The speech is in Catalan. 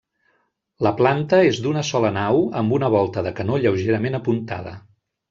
La planta és d'una sola nau, amb una volta de canó lleugerament apuntada.